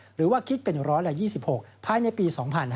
หรือว่าคิดเป็นร้อยละ๒๖ภายในปี๒๕๖๘